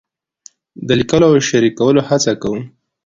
د لیکلو او شریکولو هڅه کوم.